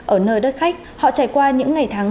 ở nơi đất khách họ trải qua những ngày tháng